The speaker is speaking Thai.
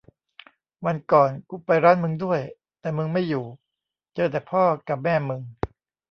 วันก่อนกูไปร้านมึงด้วย แต่มึงไม่อยู่ เจอแต่พ่อกะแม่มึง